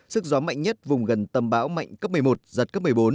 sức gió mạnh nhất vùng gần tâm bão mạnh cấp một mươi một giật cấp một mươi bốn